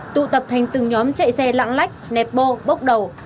tụ tập thành từng nhóm chạy xe lạng lách nẹp bô bốc đầu